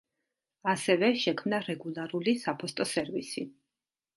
ასევე, შექმნა რეგულარული საფოსტო სერვისი.